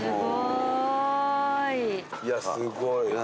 いやすごい。